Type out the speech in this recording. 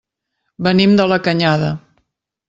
Venim de la Canyada.